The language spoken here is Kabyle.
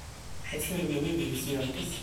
Assirem-nni deg-s yeɛkes.